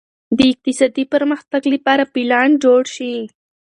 د اقتصادي پرمختګ لپاره پلان جوړ شي.